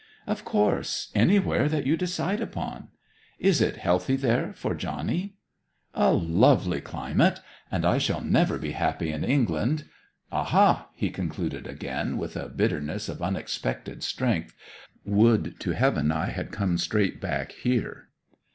'Of course, anywhere that you decide upon. Is it healthy there for Johnny?' 'A lovely climate. And I shall never be happy in England ... Aha!' he concluded again, with a bitterness of unexpected strength, 'would to Heaven I had come straight back here!'